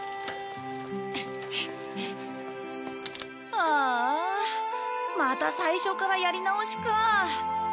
ああまた最初からやり直しか。